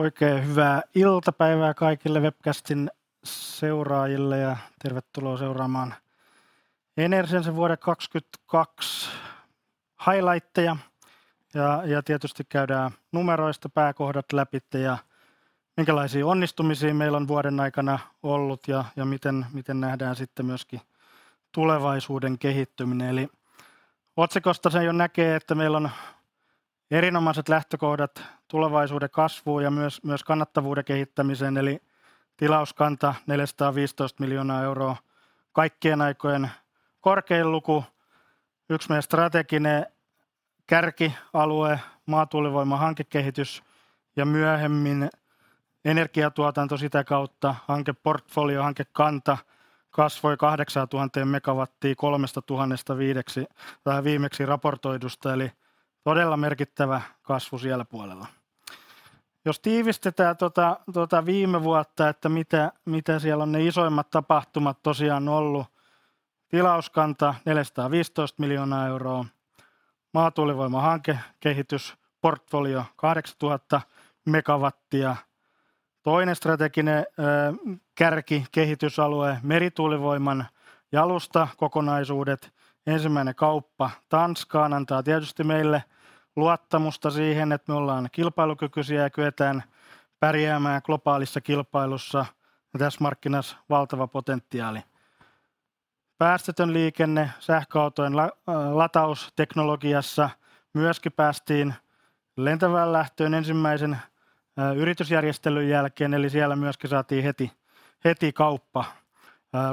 Oikein hyvää iltapäivää kaikille webcastin seuraajille ja tervetuloa seuraamaan Enersensen vuoden 2022 highlighteja. Tietysti käydään numeroista pääkohdat läpitte ja minkälaisiin onnistumisiin meillä on vuoden aikana ollut ja miten nähdään sitten myöskin tulevaisuuden kehittyminen. Otsikosta sen jo näkee, että meillä on erinomaiset lähtökohdat tulevaisuuden kasvuun ja myös kannattavuuden kehittämiseen. Tilauskanta 415 million. Kaikkien aikojen korkein luku. Yksi meidän strateginen kärkialue maatuulivoiman hankekehitys ja myöhemmin energiantuotanto sitä kautta. Hankeportfolio hankekanta kasvoi 8,000 megawattiin 3,000:sta viimeksi raportoidusta, todella merkittävä kasvu siellä puolella. Tiivistetään tota viime vuotta, että mitä siellä on ne isoimmat tapahtumat tosiaan ollut. Tilauskanta EUR 415 million, maatuulivoiman hankekehitysportfolio 8,000 megawattia. Toinen strateginen kärki kehitysalue merituulivoiman jalustakokonaisuudet. Ensimmäinen kauppa Tanskaan antaa tietysti meille luottamusta siihen, että me ollaan kilpailukykyisiä ja kyetään pärjäämään globaalissa kilpailussa. Tässä markkinassa valtava potentiaali. Päästötön liikenne sähköautojen latausteknologiassa. Myöskin päästiin lentävään lähtöön ensimmäisen yritysjärjestelyn jälkeen, eli siellä myöskin saatiin heti kauppa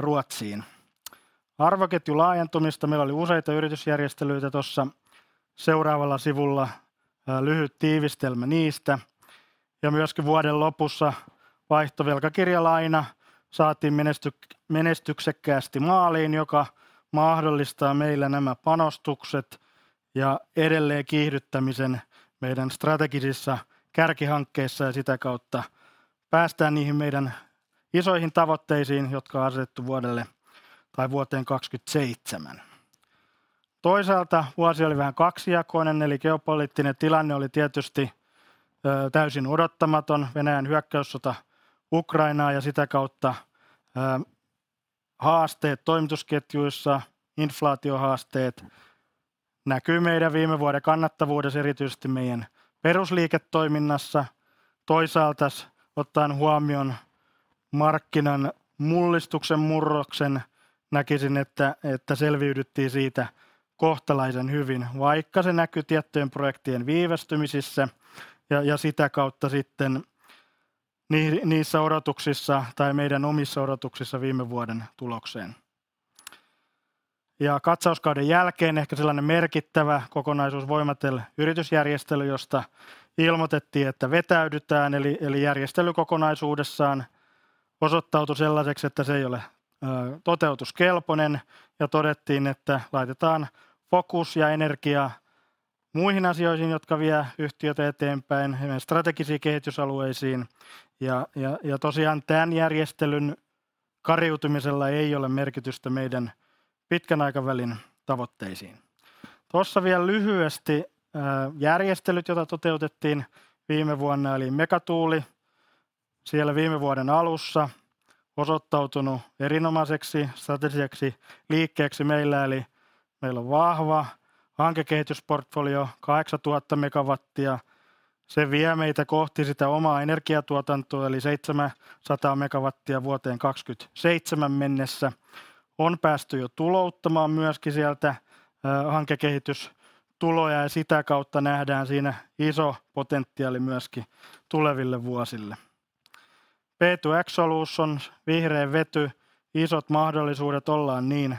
Ruotsiin. Arvoketjun laajentumista. Meillä oli useita yritysjärjestelyitä tuossa seuraavalla sivulla lyhyt tiivistelmä niistä, ja myöskin vuoden lopussa vaihtovelkakirjalaina saatiin menestyksekkäästi maaliin, joka mahdollistaa meille nämä panostukset ja edelleen kiihdyttämisen meidän strategisissa kärkihankkeissa ja sitä kautta päästään niihin meidän isoihin tavoitteisiin, jotka on asetettu vuodelle tai vuoteen 2027. Vuosi oli vähän kaksijakoinen, eli geopoliittinen tilanne oli tietysti täysin odottamaton. Venäjän hyökkäyssota Ukrainaan ja sitä kautta haasteet toimitusketjuissa. Inflaatiohaasteet näkyi meidän viime vuoden kannattavuudessa erityisesti meidän perusliiketoiminnassa. Toisaaltas ottaen huomioon markkinan mullistuksen murroksen, näkisin, että selviydyttiin siitä kohtalaisen hyvin, vaikka se näkyi tiettyjen projektien viivästymisissä ja sitä kautta sitten niissä odotuksissa tai meidän omissa odotuksissa viime vuoden tulokseen. Katsauskauden jälkeen ehkä sellainen merkittävä kokonaisuus Voimatel yritysjärjestely, josta ilmoitettiin, että vetäydytään. Eli järjestely kokonaisuudessaan osoittautui sellaiseksi, että se ei ole toteutuskelpoinen ja todettiin, että laitetaan fokus ja energia muihin asioihin, jotka vie yhtiötä eteenpäin meidän strategisiin kehitysalueisiin. Tosiaan tämän järjestelyn kariutumisella ei ole merkitystä meidän pitkän aikavälin tavoitteisiin. Tuossa vielä lyhyesti järjestelyt, joita toteutettiin viime vuonna, eli Megatuuli siellä viime vuoden alussa. Osoittautunut erinomaiseksi strategiseksi liikkeeksi meillä. Meillä on vahva hankekehitysportfolio 8,000 megawattia. Se vie meitä kohti sitä omaa energiantuotantoa eli 700 megawattia vuoteen 2027 mennessä. On päästy jo tulouttamaan myöskin sieltä hankekehitystuloja ja sitä kautta nähdään siinä iso potentiaali myöskin tuleville vuosille. P2X Solutions vihreä vety. Isot mahdollisuudet ollaan niin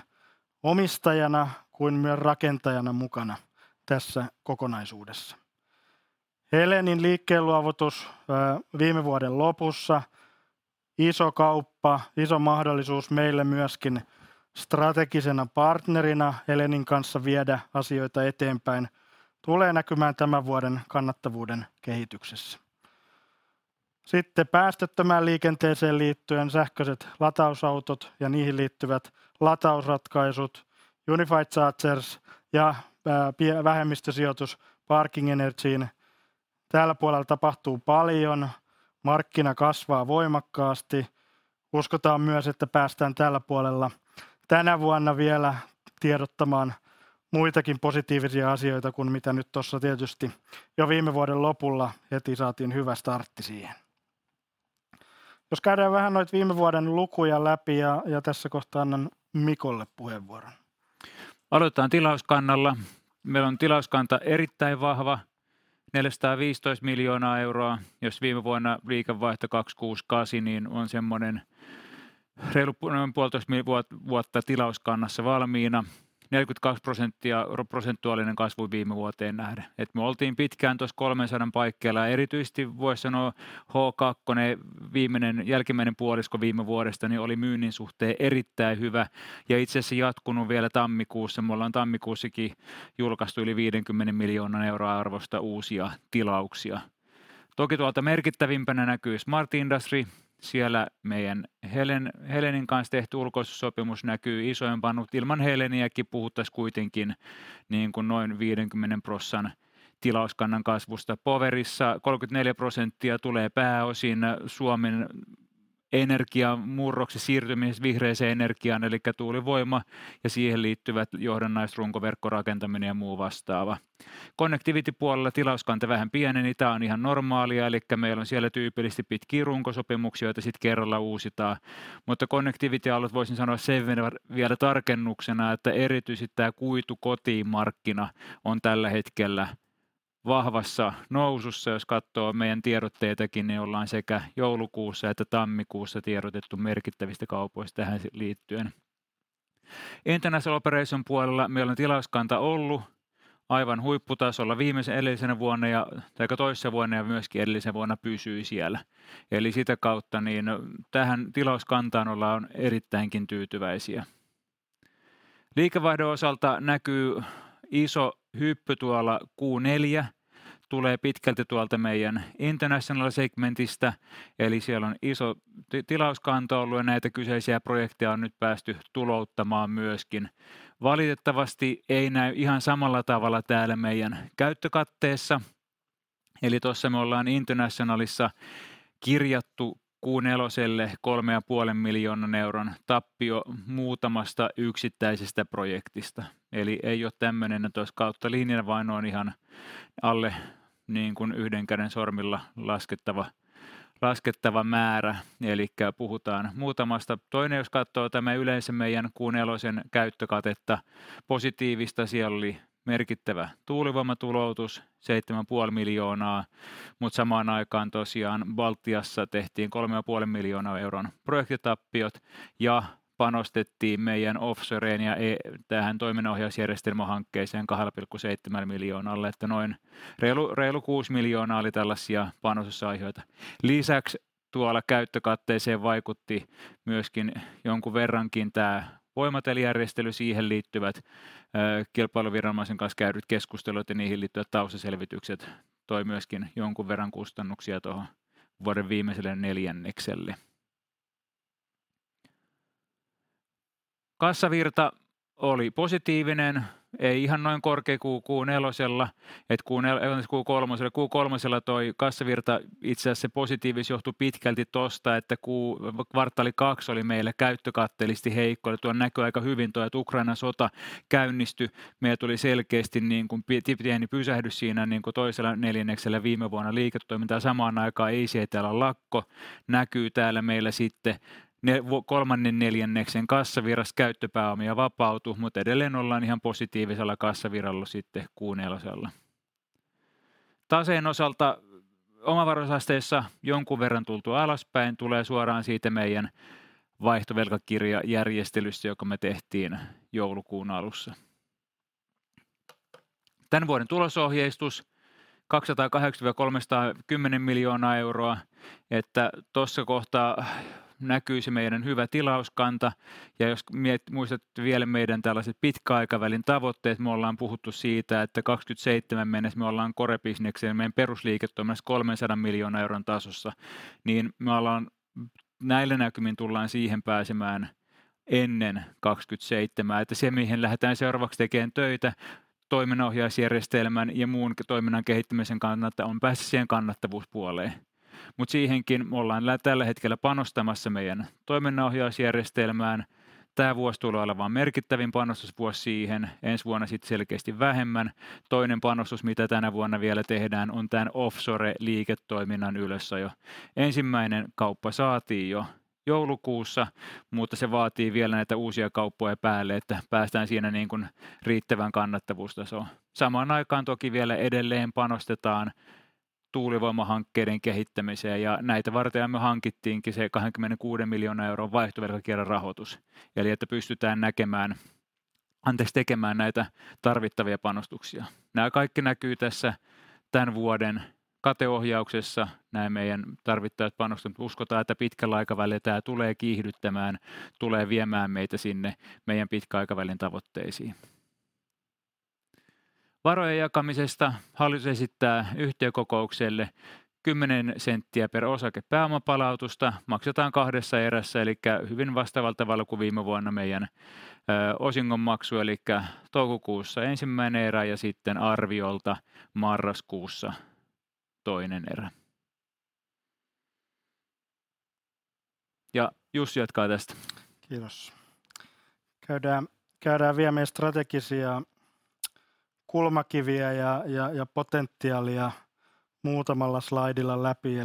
omistajana kuin myös rakentajana mukana tässä kokonaisuudessa. Helenin liikkeenluovutus viime vuoden lopussa. Iso kauppa. Iso mahdollisuus meille myöskin strategisena partnerina Helenin kanssa viedä asioita eteenpäin tulee näkymään tämän vuoden kannattavuuden kehityksessä. Päästöttömään liikenteeseen liittyen sähköiset latausautot ja niihin liittyvät latausratkaisut. Unified Chargers ja vähemmistösijoitus Parking Energy. Tällä puolella tapahtuu paljon. Markkina kasvaa voimakkaasti. Uskotaan myös, että päästään tällä puolella tänä vuonna vielä tiedottamaan muitakin positiivisia asioita kuin mitä nyt tuossa tietysti jo viime vuoden lopulla heti saatiin hyvä startti siihen. Jos käydään vähän noita viime vuoden lukuja läpi ja tässä kohtaa annan Mikko puheenvuoron. Aloitetaan tilauskannalla. Meillä on tilauskanta erittäin vahva 415 million. Viime vuonna liikevaihto 268 million, niin on sellainen reilu noin 1.5 vuotta tilauskannassa valmiina. 42% prosentuaalinen kasvu viime vuoteen nähden. Me oltiin pitkään tuossa EUR 300 million paikkeilla ja erityisesti vois sanoa H2 viimeinen jälkimmäinen puolisko viime vuodesta niin oli myynnin suhteen erittäin hyvä ja itse asiassa jatkunut vielä tammikuussa. Me ollaan tammikuussakin julkaistu yli 50 million arvosta uusia tilauksia. Tuolta merkittävimpänä näkyy Smart Industry. Siellä meidän Helenin kanssa tehty ulkoistussopimus näkyy isoimpana, mutta ilman Heleniäkin puhuttais kuitenkin niin kuin noin 50% tilauskannan kasvusta Powerissa 34% tulee pääosin Suomen energiamurroksen siirtyminen vihreään energiaan eli tuulivoima ja siihen liittyvät johdannaiset, runkoverkko, rakentaminen ja muu vastaava. Connectivity puolella tilauskanta vähän pieneni. Tämä on ihan normaalia, eli meillä on siellä tyypillisesti pitkiä runkosopimuksia, joita sitten kerralla uusitaan. Connectivity alueelta voisin sanoa sen verran vielä tarkennuksena, että erityisesti tämä kuitu kotiin -markkina on tällä hetkellä vahvassa nousussa. Jos katsoo meidän tiedotteitakin, niin ollaan sekä joulukuussa että tammikuussa tiedotettu merkittävistä kaupoista tähän liittyen. International Operations puolella meillä on tilauskanta ollut aivan huipputasolla viimeksi edellisenä vuonna ja taikka toissa vuonna ja myöskin edellisenä vuonna pysyi siellä. Sitä kautta niin tähän tilauskantaan ollaan erittäinkin tyytyväisiä. Liikevaihdon osalta näkyy iso hyppy tuolla. Q4 tulee pitkälti tuolta meidän International Operations segmentistä, siellä on iso tilauskanta ollut ja näitä kyseisiä projekteja on nyt päästy tulouttamaan myöskin. Valitettavasti ei näy ihan samalla tavalla täällä meidän käyttökatteessa. Tuossa me ollaan International Operationsissa kirjattu Q4:lle EUR 3.5 million tappio muutamasta yksittäisestä projektista. Ei ole tämmöinen, että olisi kautta linjan, vaan on ihan alle niin kun one hand's fingers laskettava määrä. Puhutaan muutamasta. Toinen jos katsoo tämä yleensä meidän Q4:n käyttökatetta. Positiivista siellä oli merkittävä tuulivoimatuloutus 7.5 miljoonaa. Samaan aikaan tosiaan Baltiassa tehtiin 3.5 miljoonan projektitappiot. Panostettiin meidän offshoreen ja tähän toiminnanohjausjärjestelmähankkeeseen 2.7 miljoonalla. Noin reilu EUR 6 miljoonaa oli tällaisia panostusaiheita. Lisäksi tuolla käyttökatteeseen vaikutti myöskin jonkun verrankin tämä Voimatel-järjestely. Siihen liittyvät kilpailuviranomaisen kanssa käydyt keskustelut ja niihin liittyvät taustaselvitykset toi myöskin jonkun verran kustannuksia tuohon vuoden viimeiselle neljännekselle. Kassavirta oli positiivinen. Ei ihan noin korkea kuin Q4:lla. Q3:lla tuo kassavirta. Itse asiassa se positiivisuus johtui pitkälti tuosta, Q2 oli meillä käyttökatteellisesti heikko. Ukrainan sota käynnistyi. Meillä tuli selkeästi niin kuin pieni pysähdys siinä niin kuin Q2:lla viime vuonna liiketoimintaa. ICT:llä lakko näkyy täällä meillä sitten Q3:n kassavirras käyttöpääomia vapautuu. Edelleen ollaan ihan positiivisella kassavirralla sitten Q4:lla. Taseen osalta omavaraisuusasteessa jonkun verran tultu alaspäin. Tulee suoraan siitä meidän vaihtovelkakirjajärjestelystä, joka me tehtiin joulukuun alussa. Tämän vuoden tulosohjeistus EUR 208 million-EUR 310 million. Tuossa kohtaa näkyy se meidän hyvä tilauskanta. Jos muistatte vielä meidän tällaiset pitkän aikavälin tavoitteet. Me ollaan puhuttu siitä, että 2027 mennessä me ollaan core businesksen ja meidän perusliiketoiminnassa 300 million tasossa, niin me ollaan näillä näkymin tullaan siihen pääsemään ennen 2027. Se mihin lähdetään seuraavaksi tekemään töitä toiminnanohjausjärjestelmän ja muun toiminnan kehittämisen kannalta on päästä siihen kannattavuuspuoleen, mutta siihenkin me ollaan tällä hetkellä panostamassa meidän toiminnanohjausjärjestelmään. Tämä vuosi tulee olemaan merkittävin panostusvuosi siihen, ensi vuonna sitten selkeästi vähemmän. Toinen panostus, mitä tänä vuonna vielä tehdään, on tämän offshore-liiketoiminnan ylösajo. Ensimmäinen kauppa saatiin jo joulukuussa, mutta se vaatii vielä näitä uusia kauppoja päälle, että päästään siinä niin kuin riittävään kannattavuustasoon. Samaan aikaan toki vielä edelleen panostetaan tuulivoimahankkeiden kehittämiseen. Näitä varten me hankittiinkin se EUR 26 million vaihtovelkakirjarahoitus. Pystytään tekemään näitä tarvittavia panostuksia. Nämä kaikki näkyy tässä tämän vuoden kateohjauksessa nämä meidän tarvittavat panostukset. Uskotaan, että pitkällä aikavälillä tämä tulee kiihdyttämään, tulee viemään meitä sinne meidän pitkän aikavälin tavoitteisiin. Varojen jakamisesta hallitus esittää yhtiökokoukselle 0.10 per osake. Pääomapalautusta maksetaan kahdessa erässä eli hyvin vastaavalla tavalla kuin viime vuonna meidän osingonmaksu eli toukokuussa 1. erä ja sitten arviolta marraskuussa 2. erä. Jussi jatkaa tästä. Kiitos! Käydään vielä meidän strategisia kulmakiviä ja potentiaalia muutamalla slaidilla läpi.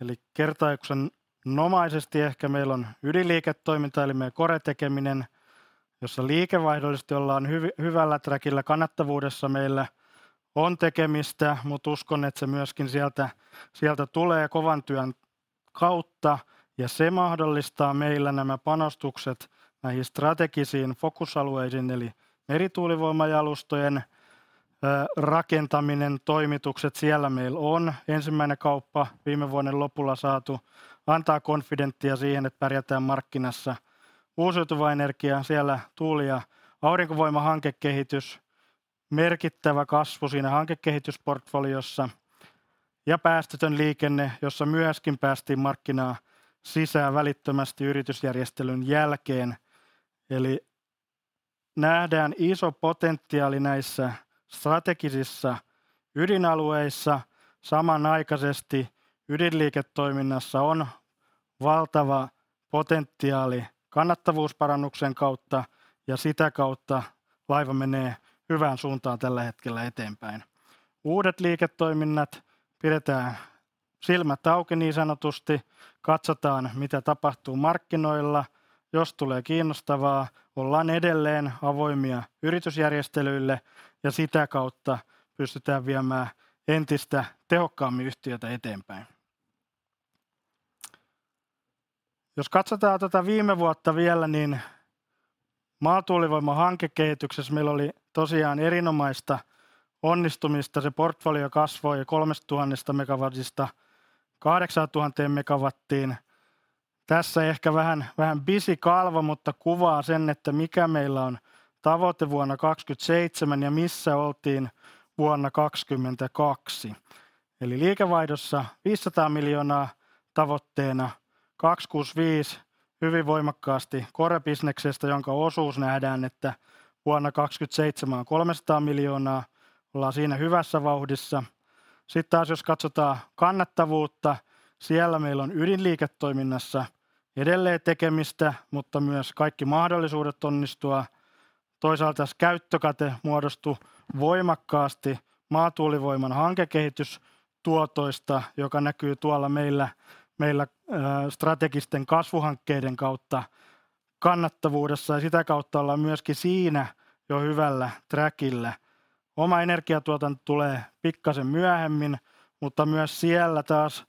Eli kertauksenomaisesti ehkä meillä on ydinliiketoiminta eli meidän core tekeminen, jossa liikevaihdollisesti ollaan hyvällä trackillä. Kannattavuudessa meillä on tekemistä, mutta uskon, että se myöskin sieltä tulee kovan työn kautta ja se mahdollistaa meillä nämä panostukset näihin strategisiin fokusalueisiin eli merituulivoimalajalustojen rakentaminen toimitukset. Siellä meillä on ensimmäinen kauppa viime vuoden lopulla saatu antaa konfidenttia siihen, että pärjätään markkinassa. Uusiutuva energia, siellä tuuli- ja aurinkovoima, hankekehitys, merkittävä kasvu siinä hankekehitysportfoliossa ja Päästötön liikenne, jossa myöskin päästiin markkinaan sisään välittömästi yritysjärjestelyn jälkeen. Nähdään iso potentiaali näissä strategisissa ydinalueissa. Samanaikaisesti ydinliiketoiminnassa on valtava potentiaali kannattavuusparannuksen kautta ja sitä kautta laiva menee hyvään suuntaan tällä hetkellä eteenpäin. Uudet liiketoiminnat pidetään silmät auki niin sanotusti katsotaan, mitä tapahtuu markkinoilla. Jos tulee kiinnostavaa, ollaan edelleen avoimia yritysjärjestelyille ja sitä kautta pystytään viemään entistä tehokkaammin yhtiötä eteenpäin. Katsotaan tätä viime vuotta vielä, niin maatuulivoiman hankekehityksessä meillä oli tosiaan erinomaista onnistumista. Se portfolio kasvoi jo 3,000 megawatista 8,000 megawattiin. Tässä ehkä vähän busy kalvo, mutta kuvaa sen, että mikä meillä on tavoite vuonna 2027 ja missä oltiin vuonna 2022 eli liikevaihdossa 500 miljoonaa. Tavoitteena 265. Hyvin voimakkaasti core bisneksestä, jonka osuus nähdään, että vuonna 2027 on 300 miljoonaa. Ollaan siinä hyvässä vauhdissa. Jos katsotaan kannattavuutta, siellä meillä on ydinliiketoiminnassa edelleen tekemistä, mutta myös kaikki mahdollisuudet onnistua. Toisaalta taas käyttökate muodostui voimakkaasti maatuulivoiman hankekehitystuotoista, joka näkyy tuolla meillä strategisten kasvuhankkeiden kautta kannattavuudessa ja sitä kautta ollaan myöskin siinä jo hyvällä träkillä. Oma energiatuotanto tulee pikkasen myöhemmin, mutta myös siellä taas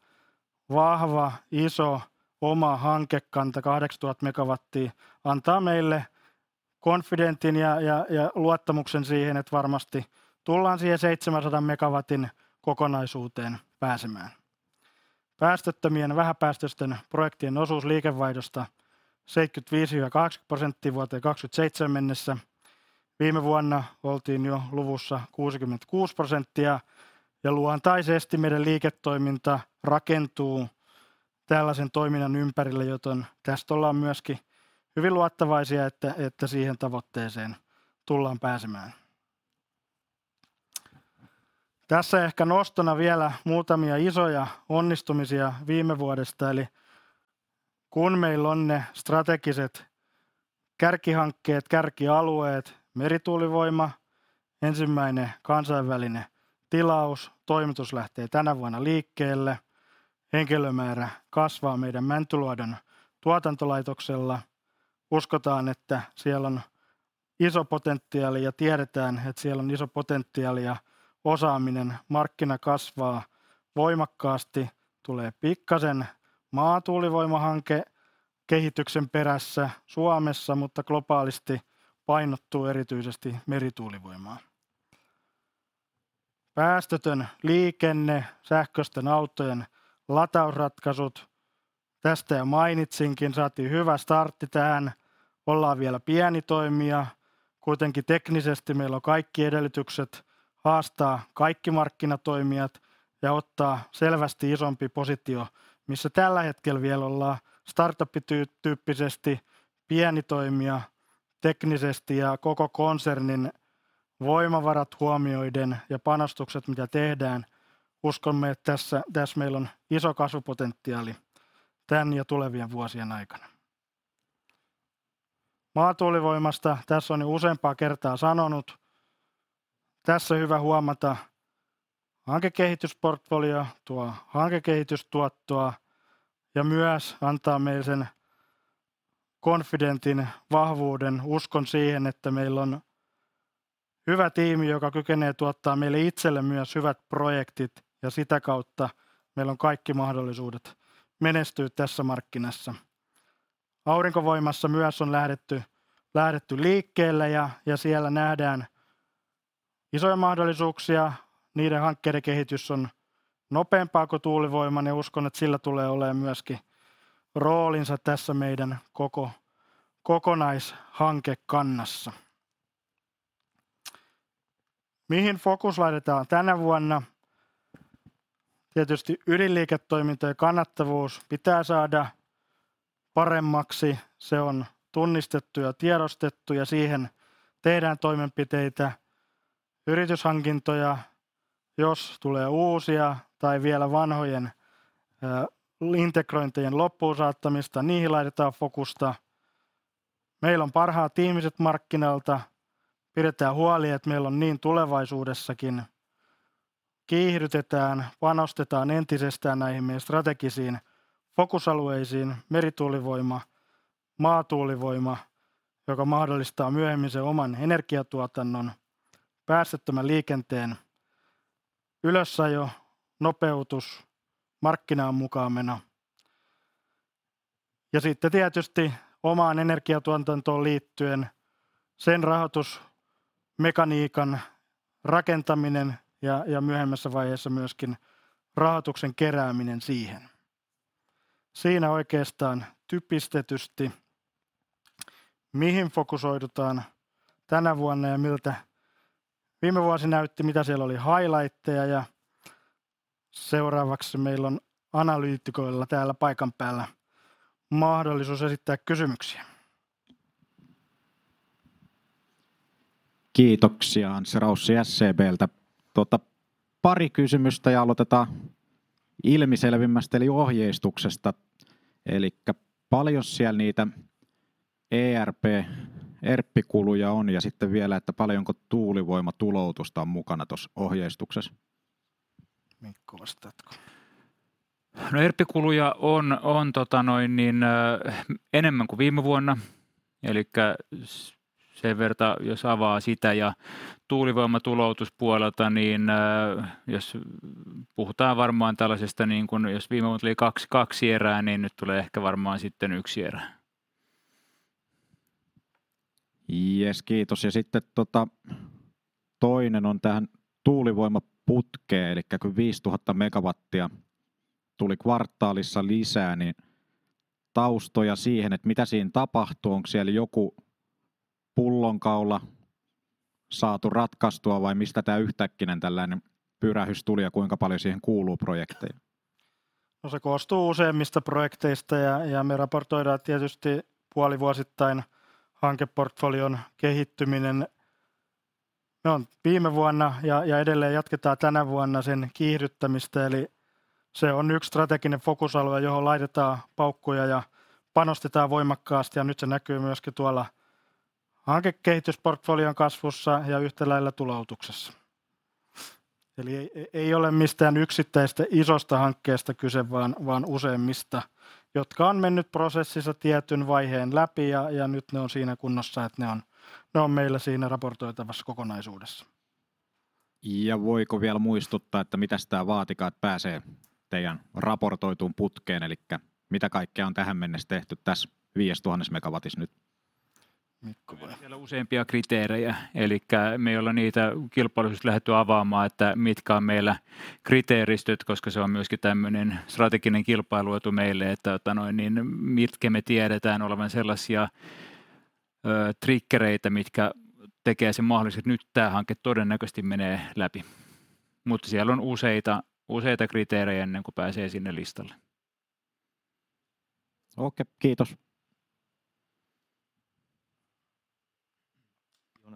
vahva iso oma hankekanta 8,000 megawattia antaa meille confidentin ja luottamuksen siihen, että varmasti tullaan siihen 700 megawatin kokonaisuuteen pääsemään. Päästöttömien vähäpäästöisten projektien osuus liikevaihdosta 75% ja 80% vuoteen 2027 mennessä. Viime vuonna oltiin jo luvussa 66% ja luontaisesti meidän liiketoiminta rakentuu tällaisen toiminnan ympärille, joten tästä ollaan myöskin hyvin luottavaisia, että siihen tavoitteeseen tullaan pääsemään. Tässä ehkä nostona vielä muutamia isoja onnistumisia viime vuodesta. Kun meillä on ne strategiset kärkihankkeet, kärkialueet, merituulivoima, ensimmäinen kansainvälinen tilaus. Toimitus lähtee tänä vuonna liikkeelle. Henkilömäärä kasvaa meidän Mäntyluodon tuotantolaitoksella. Uskotaan, että siellä on iso potentiaali ja tiedetään, että siellä on iso potentiaali ja osaaminen. Markkina kasvaa voimakkaasti. Tulee pikkasen maatuulivoimahankekehityksen perässä Suomessa, mutta globaalisti painottuu erityisesti merituulivoimaa. Päästötön liikenne. Sähköisten autojen latausratkaisut. Tästä jo mainitsinkin. Saatiin hyvä startti tähän. Ollaan vielä pieni toimija. Kuitenkin teknisesti meillä on kaikki edellytykset haastaa kaikki markkinatoimijat ja ottaa selvästi isompi positio, missä tällä hetkellä vielä ollaan startup-tyyppisesti pieni toimija teknisesti ja koko konsernin voimavarat huomioiden ja panostukset mitä tehdään uskomme, että tässä meillä on iso kasvupotentiaali tämän ja tulevien vuosien aikana. Maatuulivoimasta tässä on jo useampaa kertaa sanonut. Tässä on hyvä huomata hankekehitysportfolio tuo hankekehitystuottoa ja myös antaa meille sen confidentin, vahvuuden uskon siihen, että meillä on hyvä tiimi, joka kykenee tuottamaan meille itselle myös hyvät projektit ja sitä kautta meillä on kaikki mahdollisuudet menestyä tässä markkinassa. Aurinkovoimassa myös on lähdetty liikkeelle ja siellä nähdään isoja mahdollisuuksia. Niiden hankkeiden kehitys on nopeampaa kuin tuulivoiman ja uskon, että sillä tulee oleen myöskin roolinsa tässä meidän koko kokonaishankekannassa. Mihin fokus laitetaan tänä vuonna? Tietysti ydinliiketoiminta ja kannattavuus pitää saada paremmaksi. Se on tunnistettu ja tiedostettu ja siihen tehdään toimenpiteitä. Yrityshankintoja. Jos tulee uusia tai vielä vanhojen integrointien loppuun saattamista, niihin laitetaan fokusta. Meillä on parhaat ihmiset markkinalta. Pidetään huoli, että meillä on niin tulevaisuudessakin. Kiihdytetään, panostetaan entisestään näihin meidän strategisiin fokusalueisiin merituulivoima, maatuulivoima, joka mahdollistaa myöhemmin sen oman energiatuotannon, päästöttömän liikenteen ylösajo, nopeutus, markkinaan mukaan meno ja sitten tietysti omaan energiantuotantoon liittyen sen rahoitusmekaniikan rakentaminen ja myöhemmässä vaiheessa myöskin rahoituksen kerääminen siihen. Siinä oikeastaan typistetysti, mihin fokusoidutaan tänä vuonna ja miltä viime vuosi näytti, mitä siellä oli highlighteja. Seuraavaksi meillon analyytikoilla täällä paikan päällä mahdollisuus esittää kysymyksiä. Kiitoksia, Anssi Raussi SEB:ltä. Pari kysymystä ja alotetaan ilmiselvimmästä eli ohjeistuksesta. Paljon siellä niitä ERP-kuluja on. Sitten vielä, että paljonko tuulivoimatuloutusta on mukana tuossa ohjeistuksessa? Mikko vastaatko? No ERP-kuluja on tota noin niin enemmän kuin viime vuonna. Sen verta jos avaa sitä. Tuulivoimatuloutuspuolelta, niin jos puhutaan varmaan tällaisesta niin kuin jos viime vuonna oli 2 erää, niin nyt tulee ehkä varmaan sitten 1 erä. Jes, kiitos! Sitten toinen on tähän tuulivoimaputkeen. Kun 5,000 megawatts tuli kvartaalissa lisää, niin taustoja siihen, et mitä siinä tapahtuu. Onks siellä joku pullonkaula saatu ratkaistua vai mistä tää yhtäkkinen tällainen pyrähdys tuli ja kuinka paljon siihen kuuluu projekteja? Se koostuu useammista projekteista ja me raportoidaan tietysti puolivuosittain hankeportfolion kehittyminen. Me on viime vuonna ja edelleen jatketaan tänä vuonna sen kiihdyttämistä, eli se on yksi strateginen fokusalue, johon laitetaan paukkuja ja panostetaan voimakkaasti ja nyt se näkyy myöskin tuolla hankekehitysportfolion kasvussa ja yhtälailla tuloutuksessa. Ei ole mistään yksittäisistä isosta hankkeesta kyse, vaan useammista, jotka on mennyt prosessissa tietyn vaiheen läpi. Nyt ne on siinä kunnossa, et ne on. Ne on meillä siinä raportoitavassa kokonaisuudessa. Voiko vielä muistuttaa, että mitäs tää vaatikaa, että pääsee teidän raportoituun putkeen? Mitä kaikkea on tähän mennessä tehty täs 5,000 megawatissa nyt? Mikko vai? Siellä on useampia kriteerejä. Me ei olla niitä kilpailullisuutta lähdetty avaamaan, että mitkä on meillä kriteeristöt, koska se on myöskin tämmöinen strateginen kilpailuetu meille, että tota noin niin mitkä me tiedetään olevan sellaisia trikkereitä mitkä tekee sen mahdolliseksi, että nyt tää hanke todennäköisesti menee läpi. Siellä on useita kriteerejä ennen kuin pääsee sinne listalle. Okei, kiitos.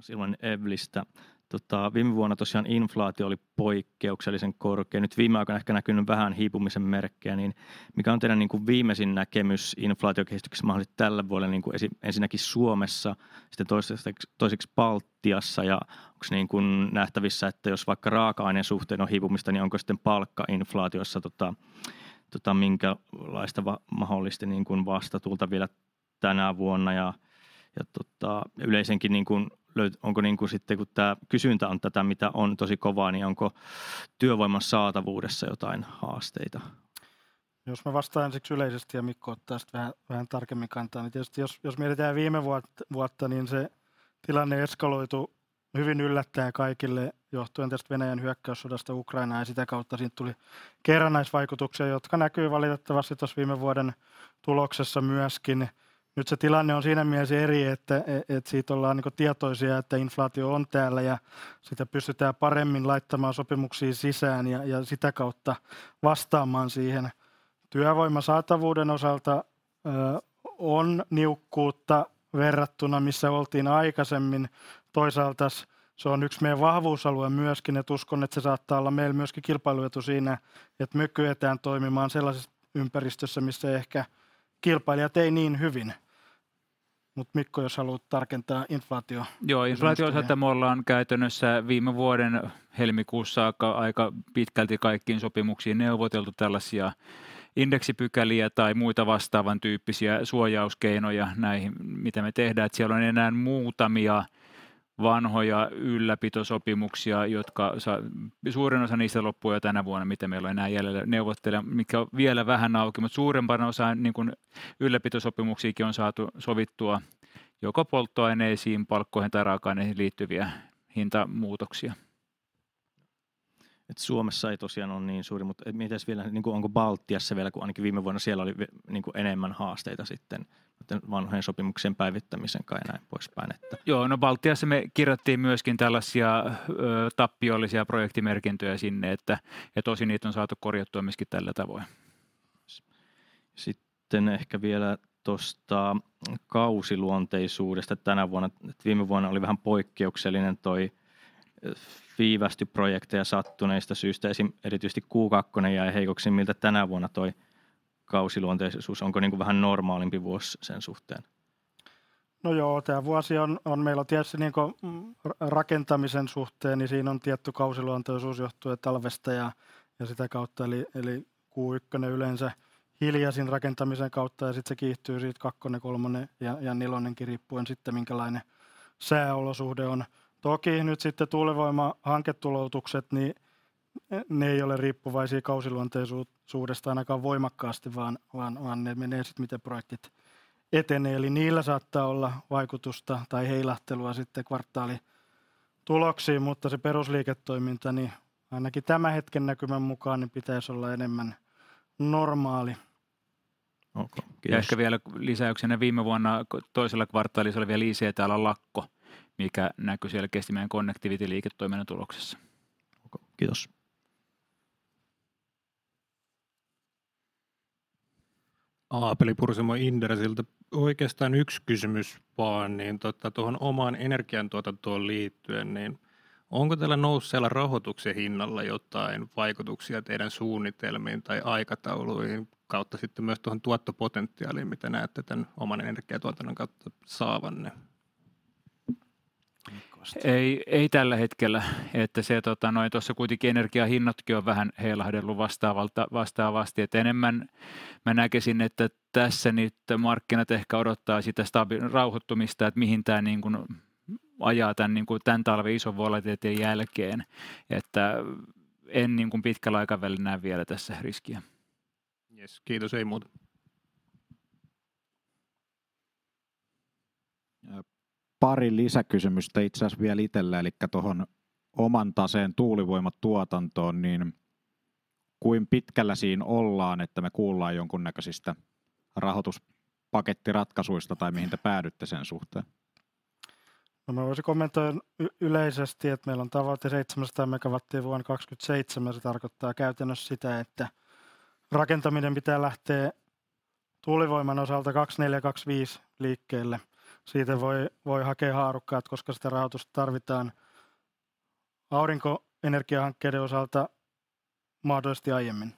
Joonas Häyhä Evlistä. Viime vuonna tosiaan inflaatio oli poikkeuksellisen korkea. Nyt viime aikoina ehkä näkynyt vähän hiipumisen merkkejä. Mikä on teidän niinkun viimeisin näkemys inflaatiokehityksessä mahdollisesti tälle vuodelle niinkun ensinnäkin Suomessa, sitten toiseksi Toiseks Baltiassa ja onks niinkun nähtävissä, että jos vaikka raaka-aineen suhteen on hiipumista, niin onko sitten palkkainflaatiossa minkäänlaista mahdollisesti niinkun vastatuulta vielä tänä vuonna? Onko niinkun sitten kun tää kysyntä on tätä mitä on tosi kovaa, niin onko työvoiman saatavuudessa jotain haasteita? Jos mä vastaan siksi yleisesti ja Mikko ottaa sit vähän tarkemmin kantaa. Tietysti jos mietitään viime vuotta, niin se tilanne eskaloitu hyvin yllättäen kaikille johtuen tästä Venäjän hyökkäyssodasta Ukrainaan ja sitä kautta siitä tuli kerrannaisvaikutuksia, jotka näkyy valitettavasti tuossa viime vuoden tuloksessa myöskin. Nyt se tilanne on siinä mielessä eri, että, et siitä ollaan niinku tietoisia, että inflaatio on täällä ja sitä pystytään paremmin laittamaan sopimuksiin sisään ja sitä kautta vastaamaan siihen. Työvoiman saatavuuden osalta on niukkuutta verrattuna missä oltiin aikaisemmin. Toisaalta se on yks meidän vahvuusalue myöskin, ja uskon, että se saattaa olla meillä myöskin kilpailuetu siinä, että me kyetään toimimaan sellaisessa ympäristössä, missä ehkä kilpailijat ei niin hyvin. Mikko jos haluat tarkentaa inflaatio. Inflaatio sieltä me ollaan käytännössä viime vuoden helmikuusta saakka aika pitkälti kaikkiin sopimuksiin neuvoteltu tällaisia indeksipykäliä tai muita vastaavantyyppisiä suojauskeinoja näihin mitä me tehdään. Siellä on enää muutamia vanhoja ylläpitosopimuksia, jotka suurin osa niistä loppuu jo tänä vuonna. Mitä meillä on enää jäljellä neuvotteluja, mitkä on vielä vähän auki, suurempana osana niinkun ylläpitosopimuksiinkin on saatu sovittua joko polttoaineisiin, palkkoihin tai raaka-aineisiin liittyviä hintamuutoksia. Suomessa ei tosiaan ole niin suuri. Entäs vielä niinku onko Baltiassa vielä kun ainakin viime vuonna siellä oli niinku enemmän haasteita sitten noitten vanhojen sopimuksien päivittämisen kanssa ja näin poispäin että? Baltiassa me kirjattiin myöskin tällaisia tappiollisia projektimerkintöjä sinne, että ja tosin niitä on saatu korjattua myöskin tällä tavoin. Ehkä vielä tosta kausiluonteisuudesta tänä vuonna. Viime vuonna oli vähän poikkeuksellinen toi viivästy projekteja sattuneista syistä. Esim erityisesti Q2 jäi heikoksi. Miltä tänä vuonna toi kausiluonteisuus? Onko niinku vähän normaalimpi vuosi sen suhteen? No joo, tää vuosi on meillä tietysti niinko rakentamisen suhteen, niin siinä on tietty kausiluonteisuus johtuen talvesta ja sitä kautta eli Q1 yleensä hiljaisin rakentamisen kautta ja sitten se kiihtyy siit Q2, Q3 ja Q4:kin riippuen sitten minkälainen sääolosuhde on. Toki nyt sitten tuulivoimahanketuloutukset niin ne ei ole riippuvaisia kausiluonteen suudesta ainakaan voimakkaasti, vaan ne menee sit miten projektit etenee. Niillä saattaa olla vaikutusta tai heilahtelua sitten kvartaalituloksiin, mutta se perusliiketoiminta niin ainakin tämän hetken näkymän mukaan niin pitäis olla enemmän normaali. Ehkä vielä lisäyksenä viime vuonna toisella kvartaalilla oli vielä ICT:llä lakko, mikä näkyy selkeästi meidän Connectivity-liiketoiminnan tuloksessa. Okay, kiitos. Aapeli Pursimo Inderesiltä. Oikeastaan yksi kysymys vaan. Onko teillä nousseella rahoituksen hinnalla jotain vaikutuksia teidän suunnitelmiin tai aikatauluihin kautta sitten myös tuohon tuottopotentiaaliin, mitä näette tämän oman energiantuotannon kautta saavanne? Ei, ei tällä hetkellä, että se tota noin tuossa kuitenkin energian hinnatkin on vähän heilahdellut vastaavasti, että enemmän mä näkisin, että tässä nyt markkinat ehkä odottaa sitä rauhoittumista, että mihin tää niinkun ajaa tän niinku tän talven ison volatiliteetin jälkeen. Että en niinkun pitkällä aikavälillä näe vielä tässä riskiä. Jes, kiitos, ei muuta. Pari lisäkysymystä itse asiassa vielä itellä. Tuohon oman taseen tuulivoimatuotantoon, niin kuin pitkällä siin ollaan, että me kuullaan jonkunnäköisistä rahoituspakettiratkaisuista tai mihin te päädytte sen suhteen? No mä voisin kommentoida yleisesti, että meillä on tavoite 700 MW vuonna 2027. Se tarkoittaa käytännössä sitä, että rakentaminen pitää lähteä tuulivoiman osalta 2024, 2025 liikkeelle. Siitä voi hakea haarukkaa, että koska sitä rahoitusta tarvitaan aurinkoenergiahankkeiden osalta mahdollisesti aiemmin.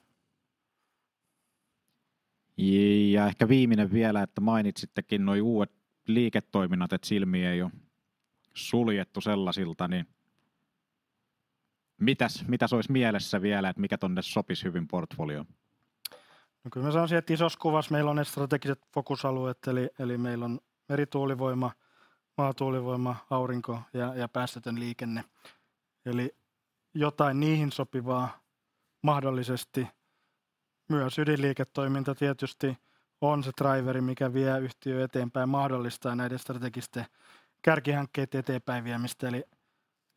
Ehkä viiminen vielä, että mainitsittekin noi uudet liiketoiminnat, et silmiä ei oo suljettu sellasilta, niin mitäs ois mielessä vielä, et mikä tonne sopis hyvin portfolioon? Kyllä mä sanoisin, että isossa kuvas meillä on ne strategiset fokusalueet. Meillä on merituulivoima, maatuulivoima, aurinko ja päästötön liikenne. Jotain niihin sopivaa, mahdollisesti myös ydinliiketoiminta tietysti on se draiveri, mikä vie yhtiötä eteenpäin ja mahdollistaa näiden strategisten kärkihankkeiden eteenpäin viemistä.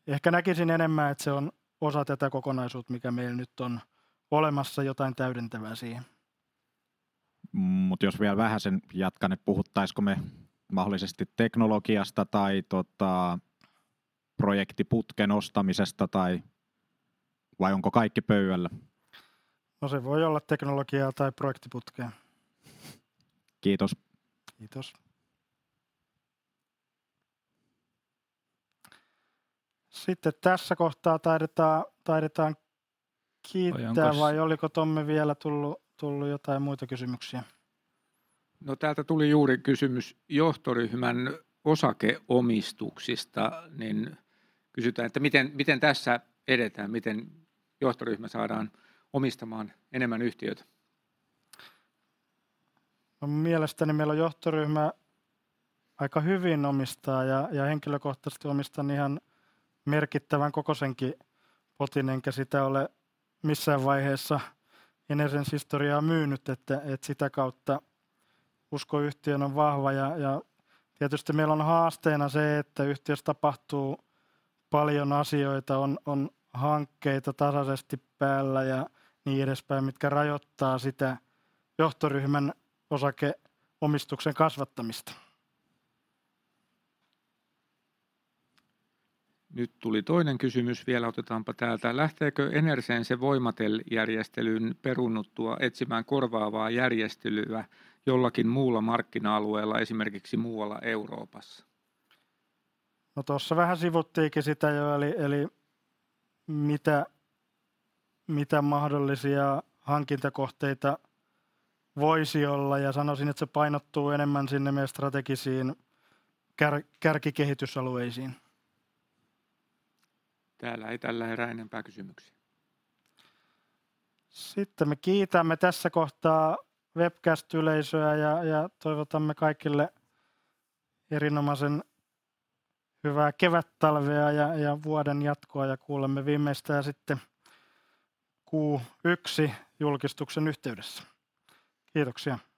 Ehkä näkisin enemmän, että se on osa tätä kokonaisuutta, mikä meillä nyt on olemassa, jotain täydentävää siihen. jos vielä vähäsen jatkan, et puhuttaisko me mahollisesti teknologiasta tai projektiputken ostamisesta tai vai onko kaikki pöydällä? se voi olla teknologiaa tai projektiputkea. Kiitos. Kiitos! Sitten tässä kohtaa taidetaan kiittää. Oliko Tommi vielä tullut jotain muita kysymyksiä? Täältä tuli juuri kysymys johtoryhmän osakeomistuksista, niin kysytään, että miten tässä edetään? Miten johtoryhmä saadaan omistamaan enemmän yhtiötä? Mun mielestäni meillä johtoryhmä aika hyvin omistaa, ja henkilökohtaisesti omistan ihan merkittävänkokosenkin potin, enkä sitä ole missään vaiheessa Enersense historiaa myynyt, että sitä kautta usko yhtiöön on vahva. Tietysti meillä on haasteena se, että yhtiössä tapahtuu paljon asioita. On hankkeita tasaisesti päällä ja niin edespäin, mitkä rajoittaa sitä johtoryhmän osakeomistuksen kasvattamista. Nyt tuli toinen kysymys vielä. Otetaanpa täältä. Lähteekö Enersense Voimatel-järjestelyyn peruunnuttua etsimään korvaavaa järjestelyä jollakin muulla markkina-alueella, esimerkiksi muualla Euroopassa? Tossa vähän sivuttiinkin sitä jo. Eli, mitä mahdollisia hankintakohteita voisi olla? Sanosin, et se painottuu enemmän sinne meidän strategisiin kärkikehitysalueisiin. Täällä ei tällä erää enempää kysymyksiä. Me kiitämme tässä kohtaa webcast-yleisöä ja toivotamme kaikille erinomaisen hyvää kevättalvea ja vuoden jatkoa ja kuulemme viimeistään sitten Q1-julkistuksen yhteydessä. Kiitoksia!